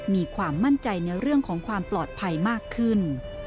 มีความมั่นใจในเรื่องของความปลอดภัยมากขึ้น